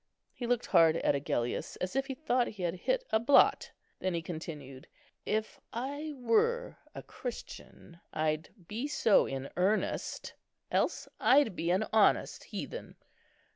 He looked hard at Agellius, as if he thought he had hit a blot. Then he continued, "If I were a Christian, I'd be so in earnest: else I'd be an honest heathen."